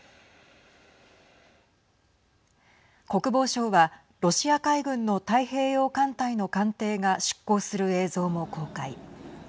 国防省はロシア海軍の太平洋艦隊の艦艇が出港する映像も公開。